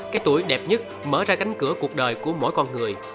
cái tuổi đẹp nhất mở ra cánh cửa cuộc đời của mỗi con người